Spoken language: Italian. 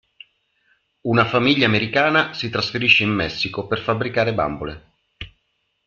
Una famiglia americana si trasferisce in Messico per fabbricare bambole.